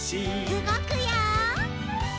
うごくよ！